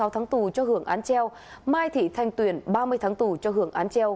sáu tháng tù cho hưởng án treo mai thị thanh tuyền ba mươi tháng tù cho hưởng án treo